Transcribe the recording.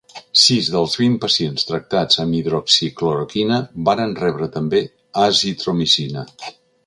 Sis dels vint pacients tractats amb hidroxicloroquina varen rebre també azitromicina.